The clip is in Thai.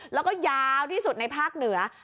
แล้วก็ยาวที่สุดในภาคเหนือ